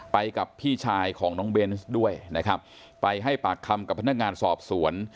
กับพี่ชายของน้องเบนส์ด้วยนะครับไปให้ปากคำกับพนักงานสอบสวน